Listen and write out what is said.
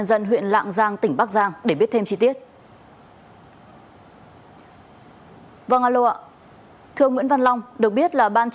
việt nam giang cũng đã ban hành văn bản